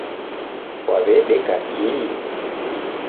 Kwaw'edeka kihi?